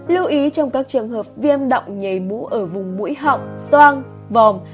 lưu ý trong các trường hợp viêm động nhảy mũ ở vùng mũi họng soang vòng